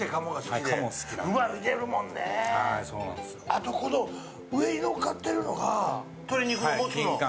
あと、この上にのっかってるのが鶏肉のモツの。